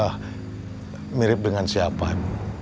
ah mirip dengan siapa ibu